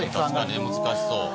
難しそう。